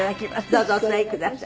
どうぞお座りください。